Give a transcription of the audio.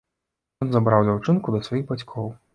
Ён забраў дзяўчынку да сваіх бацькоў.